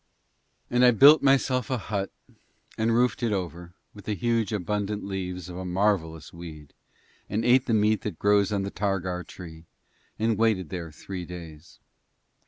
And I built myself a hut and roofed it over with the huge abundant leaves of a marvellous weed and ate the meat that grows on the targar tree and waited there three days.